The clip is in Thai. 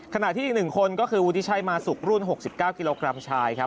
ขณะที่อีก๑คนก็คือวุฒิชัยมาสุกรุ่น๖๙กิโลกรัมชายครับ